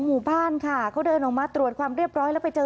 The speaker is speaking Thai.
หมู่บ้านค่ะเขาเดินออกมาตรวจความเรียบร้อยแล้วไปเจอ